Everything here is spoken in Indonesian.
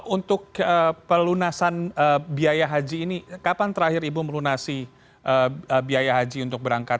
untuk pelunasan biaya haji ini kapan terakhir ibu melunasi biaya haji untuk berangkat